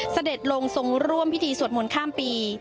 เสด็จลงทรงร่วมพิธีสวดมนต์ข้ามปี